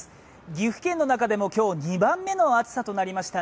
岐阜県の中でも今日、２番目の暑さとなりました